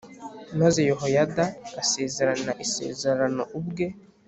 Maze Yehoyada asezerana isezerano ubwe